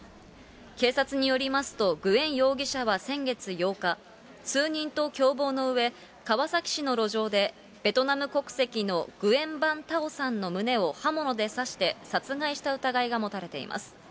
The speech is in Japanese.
警察によりますと、グエン容疑者は先月８日、数人と共謀のうえ、川崎市の路上で、ベトナム国籍の、グエン・バン・タオさんの胸を刃物で刺して殺害した疑いが持たれています。